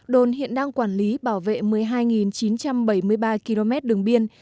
đồn hiện đang quản lý bảo vệ một mươi hai chín trăm bảy mươi ba km đường biên